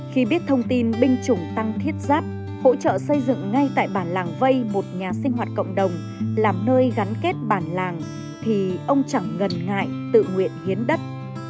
khi biết thông tin binh chủng tăng thiết giáp hỗ trợ xây dựng ngay tại bản làng vây một nhà sinh hoạt cộng đồng làm nơi gắn kết bản làng thì ông chẳng ngần ngại tự nguyện hiến đất